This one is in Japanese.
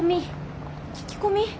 聞き込み。